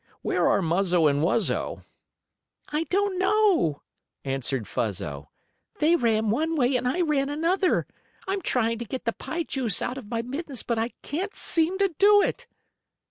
Where are Muzzo and Wuzzo?" "I don't know!" answered Fuzzo. "They ran one way and I ran another. I'm trying to get the pie juice out of my mittens, but I can't seem to do it."